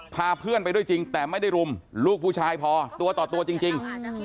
พาเพื่อนไปด้วยจริงแต่ไม่ได้รุมลูกผู้ชายพอตัวต่อตัวจริง